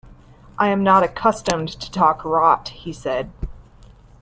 'I am not accustomed to talk rot,' he said.